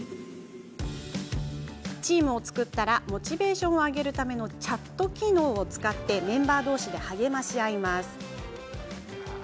チームを作ったらモチベーションを上げるためのチャット機能を使いメンバーどうしで励まし合います。